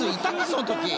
その時。